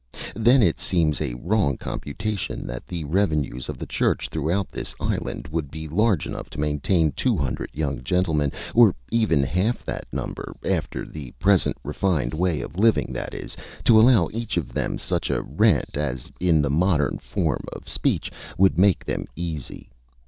Then it seems a wrong computation that the revenues of the Church throughout this island would be large enough to maintain two hundred young gentlemen, or even half that number, after the present refined way of living, that is, to allow each of them such a rent as, in the modern form of speech, would make them easy.